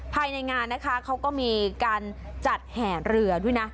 ภายในงานนะคะเขาก็มีการจัดแห่เรือด้วยนะ